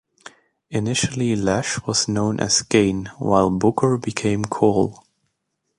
Initially Lash was known as Kane while Booker became Kole.